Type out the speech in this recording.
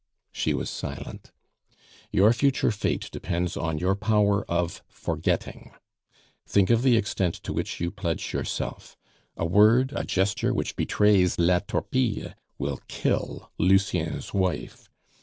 She was silent. "Your future fate depends on your power of forgetting. Think of the extent to which you pledge yourself. A word, a gesture, which betrays La Torpille will kill Lucien's wife.